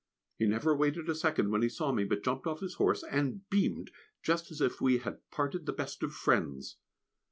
He never waited a second when he saw me, but jumped off his horse and beamed just as if we had parted the best of friends!!!